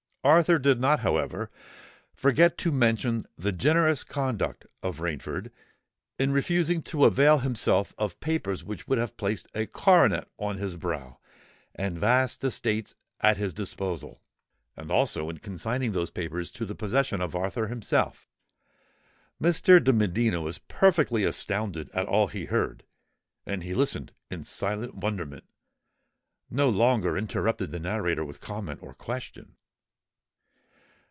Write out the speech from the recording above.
Arthur did not however forget to mention the generous conduct of Rainford in refusing to avail himself of papers which would have placed a coronet on his brow and vast estates at his disposal, and also in consigning those papers to the possession of Arthur himself. Mr. de Medina was perfectly astounded at all he heard; and he listened in silent wonderment—no longer interrupting the narrator with comment or question.